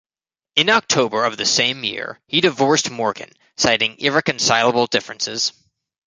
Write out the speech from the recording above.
In October of the same year, he divorced Morgan, citing irreconcilable differences.